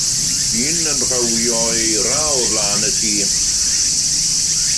Dyn yn rhawio eira o flaen tŷ.